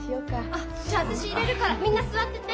あっじゃあ私いれるからみんな座ってて。